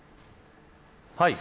はい。